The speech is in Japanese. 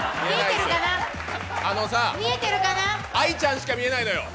あのさ、愛ちゃんしか見えないのよ。